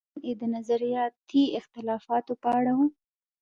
تېر کالم یې د نظریاتي اختلافاتو په اړه و.